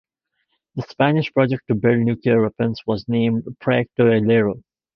The Spanish project to build nuclear weapons was named Proyecto Islero.